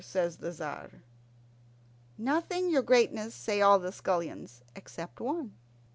says the Tzar. "Nothing, your greatness," say all the scullions except one.